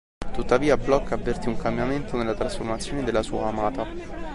Tuttavia, Blok avvertì un cambiamento nella trasformazione della sua amata.